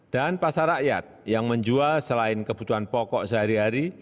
dan pasar rakyat yang menjual selain kebutuhan pokok sehari hari